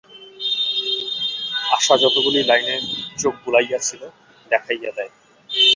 আশা যতগুলা লাইনে চোখ বুলাইয়াছিল, দেখাইয়া দেয়।